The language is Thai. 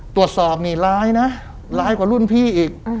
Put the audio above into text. ตรวจสอบนี่ร้ายนะร้ายกว่ารุ่นพี่อีก